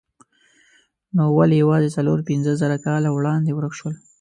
نو ولې یوازې څلور پنځه زره کاله وړاندې ورک شول؟